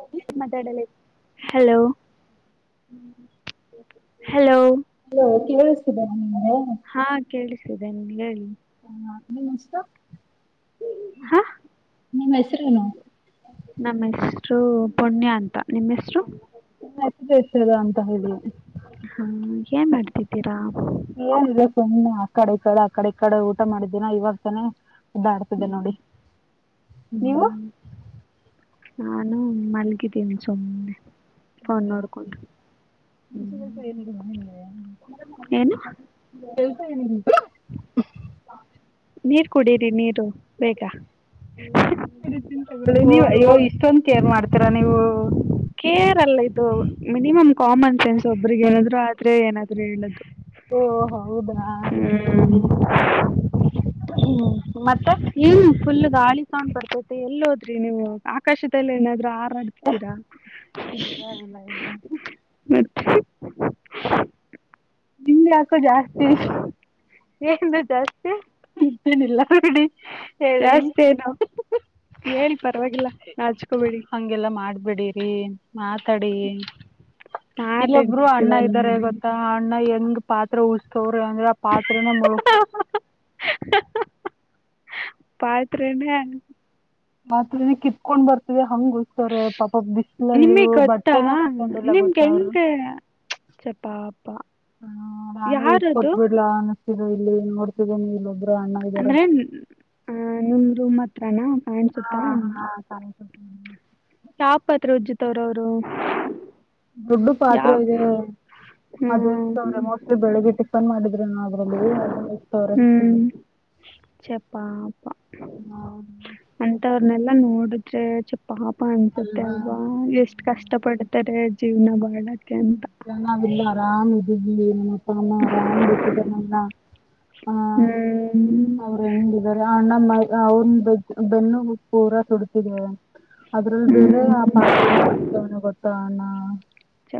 Hello ಮಾತಾಡಲ ಲೋ hello ಹ ಕವ ಬ ಹಾ ಕೇಳಿಸಿದ್ದೇನೆ ಹೇಳಿ ಹ ನಿ ಮಷ್ಟ ಹಾ ನಿಮ್ಮ್ ಹೆಸರೇನು ನಮ್ಮ ಹೆಸರು ಪುಣ್ಯ ಅಂತ ನಿಮ್ಮ ಹೆಸರು ನಿಮ್ಮ ಹೆಸರು ಅಂತ ಹೇಳು ಹಾ ಏನ್ ಮಾಡ್ತಿದ್ದೀರಾ ಸ ಆ ಕಡೆ ಈ ಕಡೆ ಆ ಕಡೆ ಈ ಕಡೆ ಊಟ ಮಾಡಿದ್ದೇನ ಇವಾಗ ತಾನೇ ಇದ್ದ ಆಡ್ತಿದ್ದ ಹ್ಮ್ ನೋಡಿ ನೀವು ನಾನು ಮಲಗಿದ್ದೀನಿ ಸುಮ್ಮನೆ ಫೋನ್ ನೋಡ್ಕೊಂಡು ಹ ಕೆಲ್ಸ ಏನರಿ ಮನ ನಿಗೆ ಏನು ಕೆಲ್ಸ ಏನಿ ಹ ನೀರ್ ಕುಡೀರಿ ನೀರು ಬೇಗ ನೀ ಅಯ್ಯೋ ಇಷ್ಟೊಂದ ಕೇರ್ ಮಾಡ್ತೀ ಕೇರಲ್ಲ ಇ ಮಿನಿಮಮ್ ಕಾಮನ್ ಸೆನ್ಸ್ ಒಬ್ರಗ ಹೇಳಿದ್ರು ಆದ್ರೆ ಏನಾದ್ರು ಹೇಳ್ದದು ಓ ಹೌದಾಲ ನೋ ಹ್ಮ ಏನು ಫುಲ್ ಗಾಳಿ ಸೊಂಡ್ ಬರ್ತೈತಿ ಎಲ್ಲಿ ಹೋದ್ರಿ ನೀವು ಆಕಾಶದಲ್ಲಿ ಏನಾದ್ೂ ಆ ಡ್ತೀರಾ ಇಲ್ಲ ಇಲ್ಲ ಇಲ್ಲ ಹ ನಿಮ್ ಯಾಕೋ ಜಾಸ್ತಿ ಏನು ಜಾಸ್ತಿ ಏನಿಲ್ಲ ರೆಡಿ ಜಾಸ್ತಿ ಏನು ಹೇಳಿ ಪರವಾಗಿಲ್ಲ ನಾಚ್ಕೋಬೇಡಿ ಬಿಡೀರಿ. ಮಾತಾಡಿ ಇಲ್ಲೊಬ್ರು ಅಣ್ಣ ಮಾತಾಡ್ತಿರ್ತೀವಲ್ಲ ಇದ್ದಾರೆ ನೀ ಗೊತ್ತಾ ಅಣ್ಣ ಎ ಹಂಗ್ ಪಾತ್ರ ಉಸತವ್ರಿ ಅಂದ್ರೆ ಆ ಪಾತ್ರನ ಮುಳ ಪತ್ರರೇಣ ಮಾತ್ರನ ಕಿತ್ಕೊಂಡ್ ಬರ್ತಯ ಹಂಗ ಗೊಸ್ತವ್ರೆ ಪಾಪಪ ಬಿಸ್ಲಲ್ಲ ನಿಮಗ್ ಗೊತ್ತಾ ಬಟ್ಟೆನ ಹಾಕೊಂಡಿಲ್ಲ ನಿಮ್ಗೆ ಗೊತ್ತಾವರು. ಹೆಂಗೆ ಚಪಾಪ ಹ್ಮ ನಾನು ಉ ಕೊಟ್ ಯಾರದು ಬಿಡ್ಲ. ಇಲ್ಲಿ ನೋಡ್ತಿದ್ದೇನೆ ಇಲ್ಲೊ ಅಂದ್ರೆ ಅ ನಮ ರೂಮ ಹತ್ರನಾ ಕಾಣಸುತ್ತಾ. ಹ್ಮ. ಶಾಪತ್ರ ಉಜ್ಜಿತವ್ರ ಅವ್ರು ಹ್ಮ. ದೊಡ್ಡು ಪಾತ್ರೆ ಇದೆ ಅದು ಇತವ್ರೆ ಹ್ಮ್ ಮೋಸ್ಟ್ಲಿ ಬೆಳಿಗ್ಗೆ ಟಿಫನ್ ಮಾಡಿದ. ರು ಅದ್ರಲ್ಲಿ ಅದತ ಅವ್ರ ಚಪಾಪಾ ಅಂತವ. ಎಲ್ಲಾ ನೋಡಿದ್ರೆ ಚಪ್ಪಾಪ ಅನ್ಸುತ್ತೆ ಅಲ್ವಾ ಎಷ್ಟ ಕಷ್ಟ ಪಡ್ತಾರೆ. ಜೀವನದಾಗ ಚೆನಿಲ್ಲ ಆರಾಮ ಇದ ಏ ಅಮ್ಮರಾಮ ಬಿಟ್ಟಿದ್ದಾರೆ ನ ಆ ಹ್ಮ್ ಅವರು ಹೆಂಗಿದ್ದಾರೆ. ನಣ ಮೈ ಅವ್ರನ ಬೆ ಬೆನ್ನು ಉ ಪೂರ ಸುಡತಿದ್ದಾರೆ. ಅದ್ರಲ್ ಬರೆ ಹ್ಮ್ ಆ ಪಾತ್ರೆನ ಇತವನ ಗೊತ್ತ ಅಣ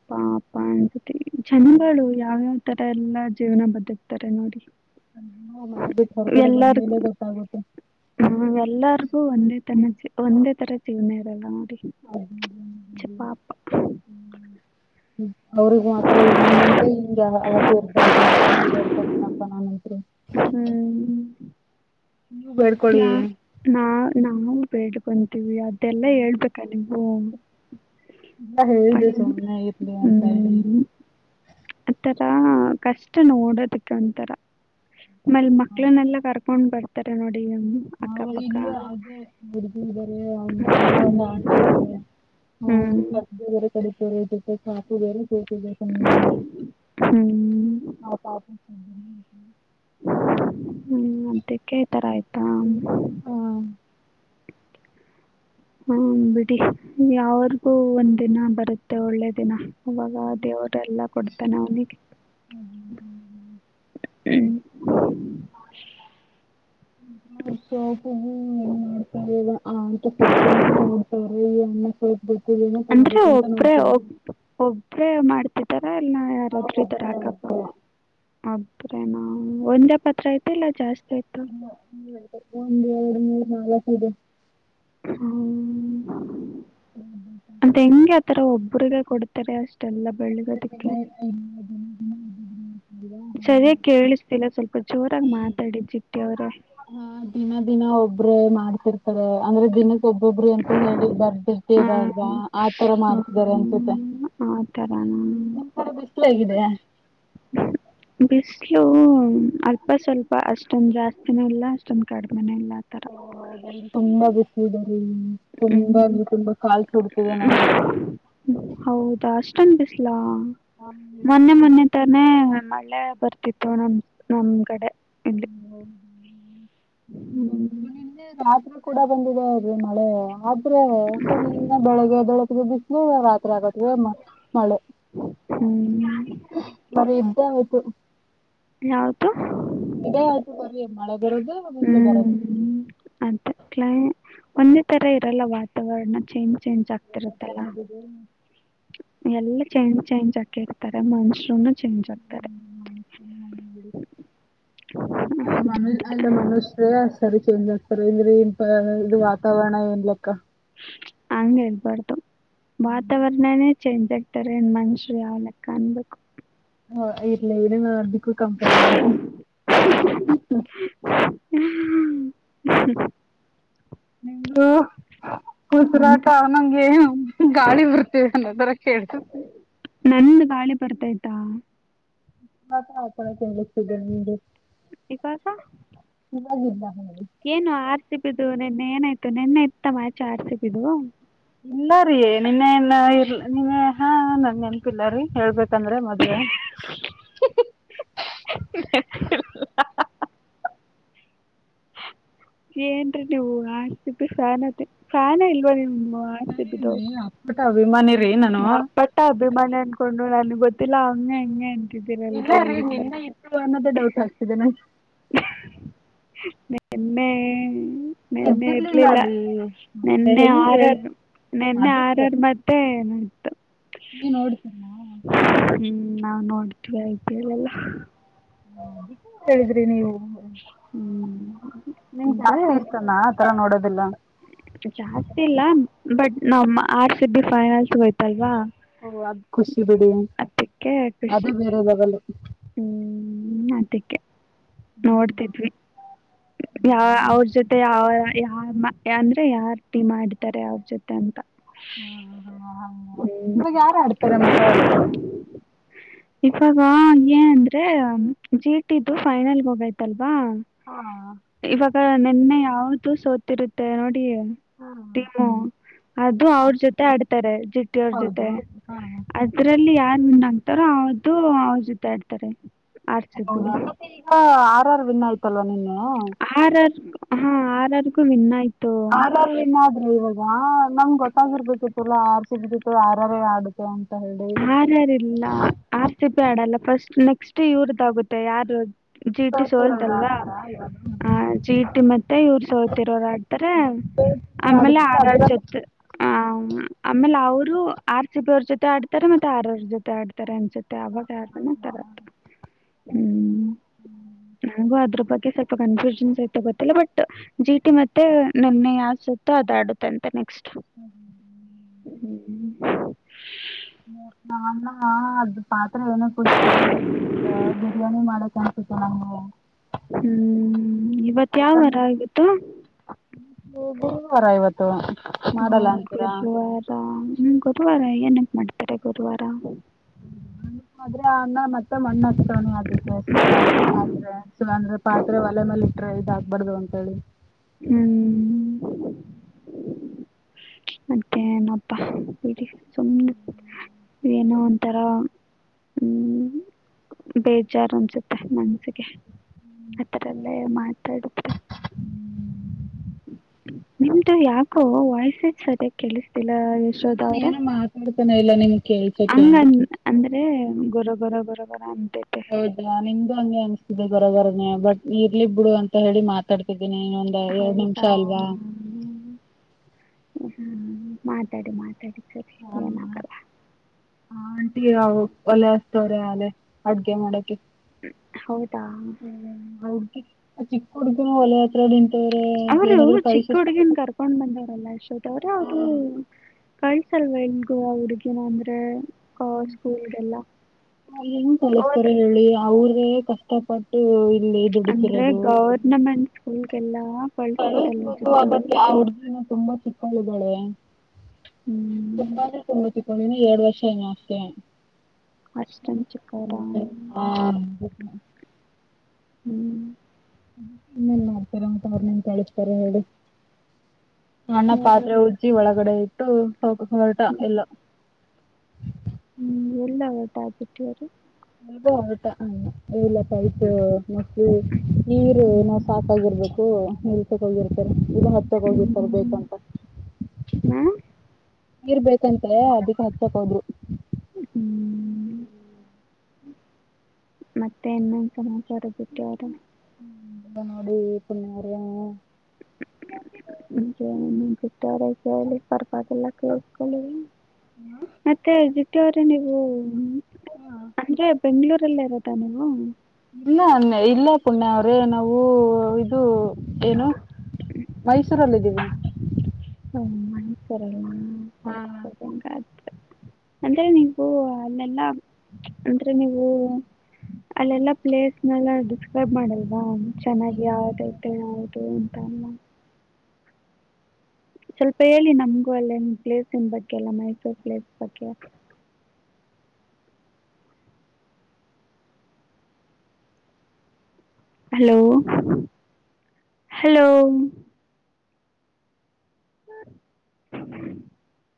ಪ್ಪಾ ಅಪ್ಪಾ ಅನ್ಸತಿ ಚನ್ನಗಳು ಯಾವ್ಯಾವ ತರ ಎಲ್ಲಾ ಜೀವನ ಬದಿಕ್ತಾರೆ ನೋಡಿ. ಮನೆ ಬಿಟ್ಟು ಹೊರ ಕಡೆ ಬಂದ್ಮೇಲೆ ಗೊತ್ತಾಗುತ್ತೆ. ಹ್ನು ಎಲ್ಲರಿಗು ಒಂದೇ ತನ ಒಂದೇ ತರ ಜೀವ್ನ ಇರಲ್ಲ. ಪಾ ಅವ್ರಗ ಮಾತ್ರ ಹ ಮುಂದೆ ಹಿಂಗಗೆ ಅವತಿ ಇರ್ಬಾರ್ದು ಅಂತ ನೀವ ಹೇಳ್ಕೊಡ್ತೀನಪ್ಪಾ ನಾ ಹ್ಮ. ನೀ ಬರ್ ಯಾ ನಾ ನಾವು ಬೇಡ್ಕಂತೀವಿ ಅದೆಲ್ಲ ಹೇಳ್ಬೇಕ ನಿಮ್ ಹ್ಮ. ಹಾ ಹೇಳದುಸ ಅ ಇಲಿ ಅ ಕ ಆ ತರಾ ಕಷ್ಟ ನೋಡೋದಕ್ಕ ಒಂತರ ಮ ಮಕ್ಳನ್ನೆಲ್ಲಾ ಕರ್ಕೊಂಡ್ ಬರ್ತಾರೆ ನೋಡಿ. ಅವ ಅಕ್ಕಪಕ್ಕ ಇಲ್ಲೂ ಅದೇ ಹುಡುಗಿ ಇದಾರೆ ಅಂದ್ರೆ ಒಂದು ಆಂಟಿ ಇದ್ದಾರೆ. ಹ ಹ್ಮ್ ಕರ್ ಕಡೆ ತೆ ಸಾಪ ವ ಹ್ಮ್ ಹ ಹ್ಮ ಮತ್ತೆ ಕ ಈ ತರ ಆಯ್ತು. ಹ್ಮ ಬಿಡಿ ಯಾವರ್ಗೂ ಒಂದ ದಿನ ಬರುತ್ತೆ ಒಳ್ಳೆ ದಿನ ಅವಾಗ ದೇವ್ರಲ್ಲ ಕೊಡ್ತಾನ ಅವನಿಗೆ ಹ್ಮ ಹ ಸೌಪ ಹ್ಮ ಏನ ನೋಡ್ತಾರೆ ಇವ ಆಂಂತ ಸೋಪನ ನ ನೋಡ್ತಾರ ಈ ಅಣ ಸ್ವಲ್ಪ ಅಂದ್ರೆ ಒಬ್ರೇ ಒಬ್ರೇ ಮಾಡ್ತ ರ ಎಲ್ಲ ನಾವ್ ಯಾರಾದ್ರೂ ಇದ್ದಾರ ಒಬ್ರೇ ಅಕಪ್ಪ ಒಬ್ರು ಹ ಒಂದೇ ಪತ್ರ ಐತೆ ಇಲ್ಲ ಜಾಸ್ತಿ ಆಯ್ತು ಹ ಒಂದು ಎರಡು ಮೂೂರು ನಾಲ್ಕ ಇದೆ. ಹ್ಮ. ಹ್ಮ ಹ ಹ ಆತರ ಒಬ್ಬ್ರಿಗೆ ಹ್ಮ ಕೊಡ್ತಾರೆ ಅಷ್ಟೆಲ್ಲ ಅ ದ ಹ್ಮ. ಬೆಳಗೋದಕ್ಕೆ ಸರಿಯಾಗಿ ಕೇಳಿಸ್ತಿಲ್ಲ ಸ್ವಲ್ಪ ಜೋರಾಗಿ ಮಾತಾಡಿದ್ ಜಿಟ್ಟಿ ಅವ್ರೇ ಹ ದಿನ ದಿನ ಒಬ್ರ ಮಾಡ್ತಿರ್ತಾರೆ ಅಂದ್ರೆ ದಿನ ಒಬ್ಬೊಬ್ಬರು ಅಂತಾನ ಹೇಳಿ ಹ ಬರ್ದಿರ್ಟ್ಟರಲ್ಗ ಆತರ ಮಾಡ್ತಿದಾರೆ ಅನ್ಸುತ್ತ ಆ ತರನಾ ನ ಬಿಸಲಗಿದೆ ಮ ಅಲ್ಪ ಸ್ವಲ್ಪ ಅಷ್ಟೊಂದ ಜಾಸ್ತಿನೇ ಇಲ್ಲ ಅಷ್ಟೊಂದ ಕಡಿ್ಮೆನೇ ಇಲ್ಲ ಆ ಥರ ಹ ತುಂಬಾ ಗುತ್ತಾರೆ ತುಂಬಾ ಹ್ಮ್ ಅಲ್ಲಿ ತುಂಬಾ ಬಿಸಿಲು ಕಾಲು ಸುಡತಿತೆ ನಂಗೆ ಅಷ್ಟನ್ ಬಿಸ್ಲಾ ಮೊನ್ನೆ ಮೊನ್ನೆ ತಾನೇ ಮಾಡ ಮಳೆ ಬರ್ತಿತ್ತು ನಮ ನಮ್ ಕಡೆ ಇಲ್ಲಿ [inaudible] ರಾತ್ರಿ ಕೂಡ ಬಂದಿದೆ ಅೀ ಮಳೆ ಸುಮ್ಮನೆ ಬೆಳಗ್ಗೆ ದೊಳಕಗೆ ಬಿಸ ರಾತ್ರಿ ಆಗತ್ ಮಳೆ ಹ್ಞೂ ಬರಿ ಇದ್ದೇ ಆಯ್ತು ಯಾವದುು ಇದೆಆಯೆತು! ಬರೆಮಳೆಬರೋದು ಮತ್ತೆ, ಬರೋದು ಅಂತಕ್ಲೇ, ಒಂದೇ ತರ ಇರಲ್ಲ ವಾತಾವರಣ ಚೇಂಜ್ ಚೇಂಜ್ ಆಗ್ತಿರತ್ತಲ್ಲ. ಜನ ಎಲ್ಲ ಚೆಂಜ್ ಚೈಂಜ್ ಆಕ ಇರ್ತಾರೆ ಮನುಷ್ಯ. ಚೇಂಜ್ ಆಗ್ತಾರೆ. ಅಲ್ಲ ಮನು ಅಲ್ಲ ಮನುುಷರೆ ಸರಿ. ಚೇಂಜ್ ಚೇಂಜ್ಗ್ತಾರಾ ಇದ್ರಿ ಇ ಇದು ವಾತಾವರಣ ಏನ್ ಕ್ಕ ಹಂಗೆ ಹಳ್ಬಾರ್ದು ವಾತಾವರ್ಣನೇ, ಚೇಂಜ್ ಆಗ್ತಾರೆ ಮನುಷ್ಯರು ಯಾವ ಲೆಕ್ಕ ಅನ್ಬೇಕು. ಹ ಇರ್ಲ ಇದನ ಅದಿಕ್ಕೂ ಕಂಪೇರ್ ಮಾಡ್ಕೋ. ಹ್ಮ [unintelligible] ನಿದುಂ [unintelligible] ಕುಸರಾಟ ನಂತೆ ಅನಂಗೆ ಗಾಳಿ ಬರ್ತೇವಿ ಅನ್ನೋ ತರ ಕೇಳುತ [unintelligible] ನಂದು ಗಾಳಿ ಬರ್ತೈತ. ಹತ ಆ ಕೇಳತಿದ್ದೇನೆ ನಿಮಗೆ ಇವಾಗ ಇಾಗಿಲ್ಲ ಏನು ಆರ್ಸಿಬಿದು ನಿನ್ನೆ ಏನಾಯ್ತು ನಿನ್ನೆ ಇತ್ತ ಮ್ಯಾಚ್ ಆರ್ಸಿಬಿದು. ಇಲ್ಲಾರೀ ನಿನ್ನೆಲ್ಲ ಇರ್ಲ ನಿನ್ನ ಹಾ ನನ್ ನೆನಪಿಲ್ಲಾರಿ ಹೇಳ್ಬೇಕು. ತೊಂದ್ರೆ ಮೊದ್ಲೇ. ಏನ್ರಿ ನೀವು ಆರ. ಸಿ. ಬಿ ಫ್ಯಾನು ಫ್ಯಾನೆ ಇಲ್ವಾ ನಿಮ. ಅಪ್ಪಟ ಅಭಿಮಾನಿ. ರೀ ನಾನು ಅಪ್ಪಟ್ಟ ಅಭಿಮಾನಿ ಅನ್ಕೊಂಡು ನನ್ಗ್ ಗೊತ್ತಿಲ್ಲ ಹಂಗೆ ಹಿಂಗೆ. ಇಲ್ಲ ರೀ ನಿನ್ನೆ ಇತ್ತು ಅನ್ನೋದೇ ಡೌಟ್ ಹಾಕ್ತಿದೆ ನನ್. ನೇನ್ನೆ. ನೆನ್ನೆ ಎದ್ದಿರ್ಲಿಲ್ಲ ಇರ್ಲಿಲ್ಲ... ಅಲ್ಲಿ ಮತ್ತೆ ನೆನ್ನೆ ಹೆಂಗೆ ಆರದು. ನಿನ್ನೆ ಆರಾರ್ ಮಟ್ಟೇ ನೀ ನೋಡ್ತೀನ ಹ್ಮ್ ನಾವ್ ನೋಡ್ತೀವಿ ಆಯ್ತಲ್ಲಲ್ಲ. ಅದಕ್ಕೆ ಹೇಳಿದ್ರಿ ನೀವು ಹ್ಮ್. ನಿಮ್ಗ್ ಜಾಸ್ತಿ ಇಷ್ಟನಾ ಆ ತರ ನೋಡೋದೆಲ್ಲ. ಜಾಸ್ತಿ ಇಲ್ಲ ಬಟ್ ನಮ್ ಆರ್. ಸಿ. ಬಿ ಫೈನಲ್ಸಗೆ ಹೋಯ್ತಲ್ವಾ. ಓ ಅದ್ ಖುಷಿ ಬಿಡಿ ಅದೇ ಬೇರೆ ಲೆವೆಲ್ ಹ್ಮ್ ಅದಕ್ಕೆ ಹ್ಮ್ ನೋಡ್ತಿದ್ವಿ. ಯ ಹೌದಾ ಅವ್ರ ಜೊತೆ ಅವರ ಯಾವ ಯಮ ಯನ. ಅದೇ ಯಾರ್ ಟೀಮ್ ಆಡಿದರಾ ಅವ್ರ ಜೊತೆ ಅಂತ. ಹ್ಮ ಹ್ಞೂ ಇವಾಗ ಯಾರ ಆಡ್ತಾರೆ ಮತ್ತ ಅವ್ರ ಜೊತೆ ಇವಾಗ ಏನ್ಅಂದ್ರೆ ಜೀಟಿದು ಫೈನಲ್ ಹೋಗಬೇಕು ಹಾ ನಿನ್ನೆ ಯಾವ್ದು ಸೋತಿರುತ್ತೆ ನೋಡಿ ಟೀ ಹಾ ಟೀಮು ಅದು ಹಾ, ಅವ್ರ ಜೊತೆ ಆಡ್ತಾರೆ. ಟ್ಟ ಅವ್ರ ಜೊತೆ ಹೌದು ಹಾ ಅದ್ರಲ್ಲಿ ಯಾರ್ ವಿನ್ ಆಗ್ತಾರೋ ಅವ್ದು ಅವ್ರ ಜೊತೆ ಆಡ್ತಾರೆ. ಆರ್ ಸಿ ಬಿ ಹೌದಾ ಮತ್ತೆ ಈಗ ಆರ್ ಆರ್ ವಿನ್ ಆಯ್ತಲ್ವಾ ನಿನ್ನೆ ಆರ್ ಆರ್ ಹಾ ಆರ್ ಆರ್ ಗು ವಿನ್ ಆಯ್ತು ಆರ್ ಆರ್ ವಿನ್ ಆದ್ರು ಇವಾಗ ವಾ ನಮ್ ಗೊತ್ತಾಗಿರ್ಬೇಕಿತ್ತುಲಾ ಆರ್ ಸಿಗದಿತ್ತು ಆರಾರೇ ಆಡುತ್ತೆ ಅಂತ ಹೇಳಿ ಆರ್ ಆರ್ ಇಲ್ಲ ಆರ್ ಸಿ ಬಿ ಆಡಲ್ಲ ಫಸ್ಟ್ ನೆಕ್ಸ್ಟ್ ಇವ್ರದ್ದಾಗುತ್ತೆ ಯಾರು ಜಿ ಟಿ ಸೋತಿರೋರು ಸೋಲ್ತಲ್ವಾ ಆಡ್ತಾರ ಇವಾಗ ಜಿ ಟಿ ಮತ್ತೆ ಇವ್ರ್ ಸೋತಿರೋರು ಆಡ್ತಾರೆ. ಸೋತಿರೋರು ಆಮೇಲೆ ಆಡಿದ್ಮೇಲೆ ಆರ್ ಆರ್ ಅದ್ರಲ್ಲಿ ಜೊತೆ ಆ ಆಮೇಲೆ ಅವರು ಮೊದ್ಲು ಆರ್ ಸಿ ಬಿ ಅವ್ರ ಜೊತೆ ಆಡ್ತಾರೆ ಮತ್ತೆ ಆರ್ ಆರ್ ಅವ್ರ ಜೊತೆ ಆಡ್ತಾರೆ ಅಂತ ಜೊತೆ ಅವಾಗ ಯಾರನ ನಮ್ಮ ತರ ಹ್ಮ್ ನನಗೂ ಅದ್ರ ಬಗ್ ಸ್ವಲ್ಪ ಕನ್ಫ್ಯೂಷನ್ ಆಯತ ಗೊತ್ತಿಲ್ಲ ಬಟ್ ಜಿ ಟಿ ಮತ್ತೆ ನನ್ನೆ ಯಾವ್ ಸುತ್ತೋ ಅದ ಆಡುತ್ತೆ ಅಂತ ನೆಕ್ಸ್ಟ್ ಹ್ಮ್್ಮ ಹ್ಮ ನಾನ ಅದ ಪಾತ್ರೆ ಏನ ಕುಡಿಸತಿದೀನಿ ಬಿರಿಯಾನಿ ಮಾಡಕ [unintelligible] ಹ್ಮ್ ಇವತ್ ಯಾವ ವರ ಯಾಕಂದ್ರೆ ಆಗತ್ತು ಗುರುವಾರ ಇವತ್ತು ಹ ಮಾಡಲ್ಲ ಅಂತೀರಾ ಗುರುವಾರ ನಿ ಗುಧವಾರ ಏನ್ಪ್ ಮಾಡ್ತಾರೆ ಗುರುವಾರ ್ರೆ ಆ ಅನ್ನ ಮತ್ತ ಮಣ್ಣ ಿ ಅದಕ್ಕೆ ಸ್ವಲ್ಪ ಪಾತ್ರೆ ಅಂದ್ರೆ ಪಾತ್ರೆ ಒಲೆ ಮೇಲೆ ಇಟ್ಟ್ರೆ ಇದ ಬಡ್ದ್ ಅಂತ ಹೇಳಿ ಹ್ಮ್ ಮತ್ತೆ ಏನಪ್ಪಾ ಇ ಹ್ಮ್ ಏನೋ ಒಥರ ಹ್ಮ್ ಬೇಜಾರು ಅನ್ಸುತ್ತೆ ನನ್ಸ ಆತರಲ್ಲ ಮಾತಾಡುದ್ರೆ ನಿಮ್ದು ಯಾಕೋ ವೈಸೂ ಸರಿಯಾಗಿ ಕೇಳ ಿಲ್ಲ ಇಲ್ಲ ಯಶೋದ ನಾನು ಅವರ ಏನು ಮಾತಾಡ್ತಾನೆ ಇಲ್ಲ ನಿಮ್ಗೆ ಕೇಳ್ಸಕ್ಕೆ ಹಂಗ ಅಂದ್ರೆ ಎ ಗರ ಗರ ಗರ ಗರ ಅಂ ಹೌದಾ ನಿಮ್ದು ಹಂಗೆ ಅನ್ಸ್ತಿದೆ ಬರೋಬರನೆ ಬಟ್ ಇರ್ಲಿಬ್ಬಡು ಅಂತ ಹೇಳಿ ಮಾತಾಡ್ತಿದ ಿ ಇನ್ನ ಒಂದ ಎರಡು ನಿಮಿಷ ಹೌದಾ ಅಲ್ವಾ ಹ್ಮ ಮಾತಾಡಿ ಮಾತಾಡಿ ಸರಿ ಆ ಏನಾಗಲ್ಲ ಆಂಟಿ ಒಲೆ ಹಸ್ತವ್ರೆ ಅದೇ ಅಡ್ಗೆ ಮಾಡಕ ಹೌದಾ ಚಿಕ್ಕಹೂಡಗಿನೆ ವಲಿ ದೇವ್ರೆ ಅವರು ಚಿಕ್ಕ ಹುಡುಗಿನ್ ಕರ್ಕೊಂಡ್ ಬಂದವ್ರಲ್ಲ ಅಷ್ಟೊತ್ತ ಅವ್ರೆ ಅವರು ಕ ಸಲ್ ವೈಲ್ಡ್ ಗೋ ಹುಡುಗಿನ ಅಂದ್ರೆ ಸ್ಕೂಲ್ಗೆಲ್ಲ ನ ಹೆಂಗ್ ಹೋದ ಕಳಸ್ತಾರೆ ಹೇಳಿ ಅವ್ರೇ ಕಷ್ಟಪಟ್ಟು ಇಲ್ಲಿ ಅಂದ್ರೆ ದುಡಿತಿರೋದು ಗೌರ್ನಮೆಂಟ್ ಸ್ಕೂಲ್ಗೆಲ್ಲಾ [unintelligible] ತುಂಬಾ ಚಕ್ಕಳಯಿದ್ದಾಳೆ ಹ್ಮ್ ತುಂಬಾನ ತುಂಬ ಒಳಿನ ಎರಡು ವರ್ಷ ಅಷ್ಟೇ ಅಷ್ಟೊಂದು ಚಿಕ್ಕವರ ಹಾ ಹ್ಮ್ ಇನ್ನೆಲ್ಲ ಮಾಡ್ತರ ಉಟ ಅವ್ರ ನಿನ್ ಕಳಸ್ತಾರೆ ಹೇಳಿ ಅಣ್ಣ ಯಾರು? ಪಾತ್ರೆ ಉಜ್ಜಿ ಒಳಗಡೆ ಇಟ್ಟು ಹೋಗ ಹೊರಟ ಹ್ಮ್. ಎಲ್ಲ ಹ್ಮ್ ಎಲ್ಲ ವಟಾ ಬಿಟ್ಟವ ುತ್ತಾ ಹ ಲ್ಲ ಸೈತ ಮೋಸ್ಟ್ಲಿ ನೀರು ನಾ ಹ್ಮ್ ಸಾಕಾಗಿರ್ಬೇಕು ನೀರು ತಗೋಗಿರ್ತಾರೆ ಇದು ಮತ್ತ ತಗೋಗಿರ್ತಾರೆ ಹ್ಮ್. ಬೇಕಂತ ನಾ? ನೀರ್ ಬೇಕಂತ ಅದಕ್ಕೆ ಹಚ್ಚಕ್ ಹೋದರು ಹ್ಮ್. ಹ್ಮ್ ಮತ್ತೆ ಇನ್ನೊಂದು ಸಮಾಚಾರ ಬಟ್ಟು ಯಾರ ಮಾಡಡಿ ಪನ್ನಾರ ಬಿಟ್ಟವರ ಕಿ ಪರ್ಪದೆಲ್ಲ ಕೇಳಸ್ಕೊಂಡ ಮತ್ತೆ ಜಿತ್ಯ ಅವ್ರ ನೀವು ಅಂದ್ರೆ ಬೆಂ್ಗಳೂರಲ್ಲೇ ಇರದಾ ನೀವು ಇಲ್ಲ ಇಲ್ಲ ಪುಣ್ಯ ಅವ್ರೆ ನಾವು ಇದು ಏನು ಮೈಸೂರಲ್ಲಿದ್ದೀವಿ ಹ ಮನಸರಲ್ಲಾ ಅಂದ್ರೆ ನೀವು ಅಲ್ಲೆಲ್ಲ ಅಂದ್ರೆ ನೀವು ಅಲ್ಲೆಲ್ಲಾ ಪ್ಲೇಸ್ನೆಲ್ಲ ಡಿಸ್ಕ್ರೈಬ್ ಮಾಡಲ್ವಾ ಚೆನ್ನಾಗಿ ಯಾವದ ಯಾದು ಅಂತ ಎಲ್ಲ [inaudible] ಸ್ವಲ್ಪ ಹೇಳಿ ನಮ್ಗೂ ಅಲ್ಲ ಪ್ಲೇಸನ್ ಬಗ್ಗೆ ಎಲ್ಲ ಮೈಸೂರ್ ಪ್ಲೇಸ್ ಬಗ್ಗೆ ಹಲೋ [inaudible] ಹಲೋ ಹ್ಮ [unintelligible]